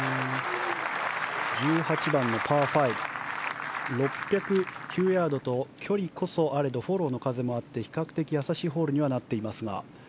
１８番のパー５は６０９ヤードと距離こそあれどフォローの風もあって比較的やさしいホールにはなっていますが。